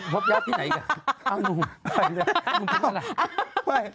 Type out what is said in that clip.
พบญาติที่ไหนอีกอ่ะ